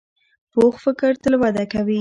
پوخ فکر تل وده کوي